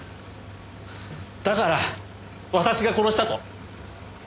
だから私が殺したと？